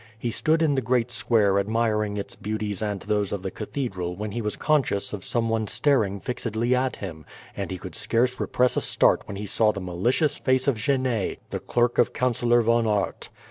He stood in the great square admiring its beauties and those of the cathedral when he was conscious of some one staring fixedly at him, and he could scarce repress a start when he saw the malicious face of Genet, the clerk of Councillor Von Aert.